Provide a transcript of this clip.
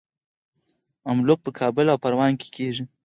املوک په کابل او پروان کې کیږي.